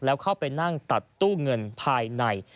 แล้วเข้าไปนั่งตัดตู้เงินภายใน